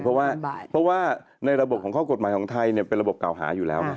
เพราะว่าในระบบของข้อกฎหมายของไทยเป็นระบบเก่าหาอยู่แล้วไง